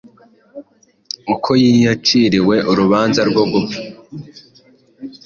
uko yaciriwe urubanza rwo gupfa